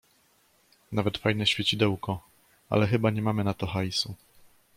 Nawet fajne świecidełko, ale chyba nie mamy na to hajsu.